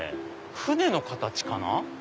舟の形かな。